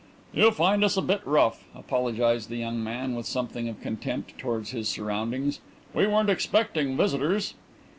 "You find us a bit rough," apologized the young man, with something of contempt towards his surroundings. "We weren't expecting visitors."